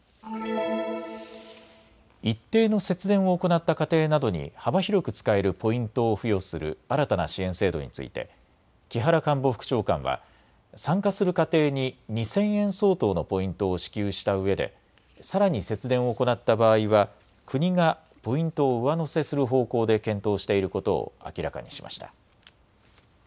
一定の節電を行った家庭などに幅広く使えるポイントを付与する新たな支援制度について木原官房副長官は参加する家庭に２０００円相当のポイントを支給したうえでさらに節電を行った場合は国がポイントを上乗せする方向で検討していることを明らかにしました。